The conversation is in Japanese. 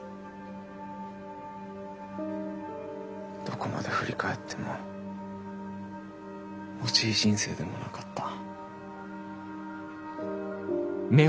どこまで振り返っても惜しい人生でもなかった。